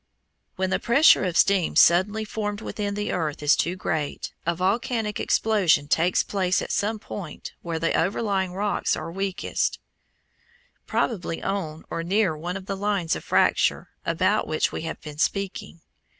When the pressure of steam suddenly formed within the earth is too great, a volcanic explosion takes place at some point where the overlying rocks are weakest, probably on or near one of the lines of fracture about which we have been speaking.